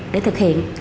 để thực hiện